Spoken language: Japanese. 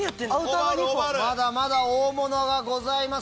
まだまだ大物がございます。